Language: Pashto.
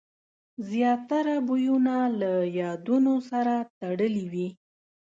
زیاتره بویونه له یادونو سره تړلي وي.